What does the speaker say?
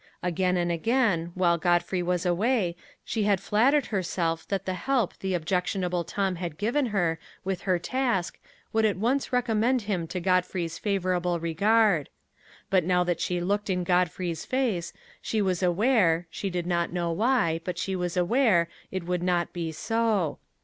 Again and again, while Godfrey was away, she had flattered herself that the help the objectionable Tom had given her with her task would at once recommend him to Godfrey's favorable regard; but now that she looked in Godfrey's face, she was aware she did not know why, but she was aware it would not be so.